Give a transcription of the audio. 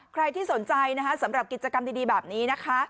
ใครที่สนใจนะคะสำหรับกิจกรรมดีแบบนี้นะคะ